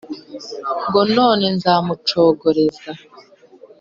ngo none zamuncogoreza,